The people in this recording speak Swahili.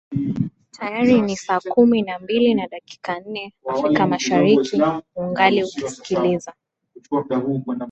tayari ni saa kumi na mbili na dakika nne afrika mashariki ungali ukisikiliza